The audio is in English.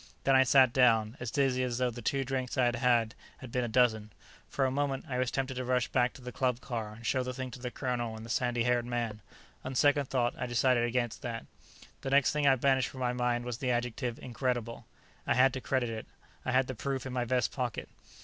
Then I sat down, as dizzy as though the two drinks I had had, had been a dozen. For a moment, I was tempted to rush back to the club car and show the thing to the colonel and the sandy haired man. On second thought, I decided against that. The next thing I banished from my mind was the adjective "incredible." I had to credit it; I had the proof in my vest pocket.